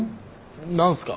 何すか？